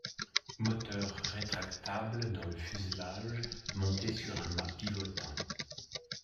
Moteur rétractable dans le fuselage, monté sur un mât pivotant.